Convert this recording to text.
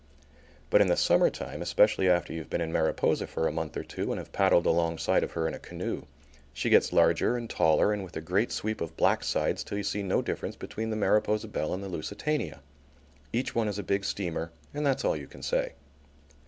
But in the summer time, especially after you've been in Mariposa for a month or two, and have paddled alongside of her in a canoe, she gets larger and taller, and with a great sweep of black sides, till you see no difference between the Mariposa Belle and the Lusitania. Each one is a big steamer and that's all you can say.